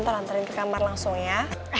ntar antarin ke kamar langsung ya